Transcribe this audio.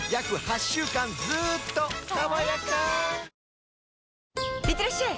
「ビオレ」いってらっしゃい！